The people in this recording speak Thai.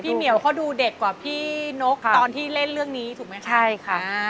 เหมียวเขาดูเด็กกว่าพี่นกตอนที่เล่นเรื่องนี้ถูกไหมคะใช่ค่ะ